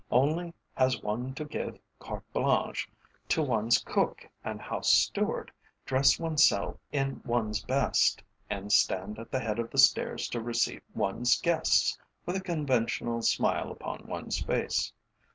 "One has only to give carte blanche to one's cook and house steward, dress oneself in one's best, and stand at the head of the stairs to receive one's guests with a conventional smile upon one's face.